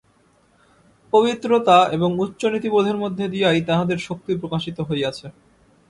পবিত্রতা এবং উচ্চনীতিবোধের মধ্য দিয়াই তাঁহাদের শক্তি প্রকাশিত হইয়াছে।